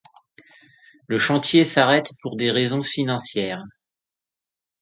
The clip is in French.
Le chantier s'arrête pour des raisons financières.